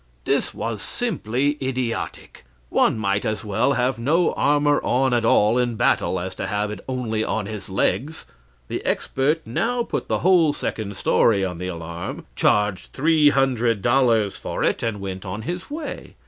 This was simply idiotic; one might as well have no armor on at all in battle as to have it only on his legs. The expert now put the whole second story on the alarm, charged three hundred dollars for it, and went his way.